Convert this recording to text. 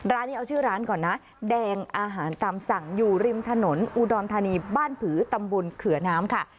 ร้านนี้เอาชื่อร้านก่อนนะแดงอาหารตามสั่งอยู่ริมถนนอุดรธานีบ้านผือตำบลเขือน้ำค่ะ